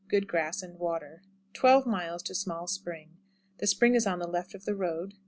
Good grass and water. 12. Small Spring. The spring is on the left of the road.